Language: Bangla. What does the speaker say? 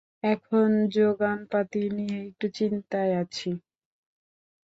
এখন জোগানপাতি নিয়ে একটু চিন্তায় আছি!